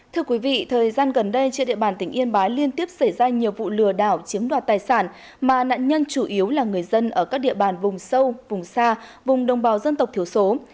thưa quý vị thời gian gần đây trên địa bàn tỉnh yên bái liên tiếp xảy ra nhiều vụ lừa đảo chiếm đoạt tài sản mà nạn nhân chủ yếu là người dân ở các địa bàn vùng sâu vùng xa vùng đồng bào dân tộc thiểu số